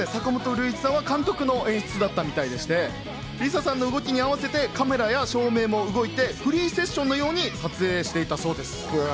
監督の演出だったそうで、ＬｉＳＡさんの動きに合わせてカメラや照明も動いていて、フリーセッションのような撮影になっていたそうです。